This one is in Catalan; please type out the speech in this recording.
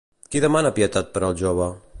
Qui demana pietat per al jove?